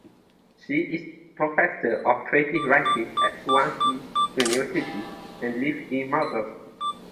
She is Professor of Creative Writing at Swansea University, and lives in Mumbles.